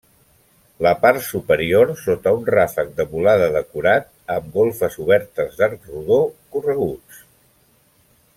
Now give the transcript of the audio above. La part superior, sota un ràfec de volada decorat, amb golfes obertes d'arc rodó, correguts.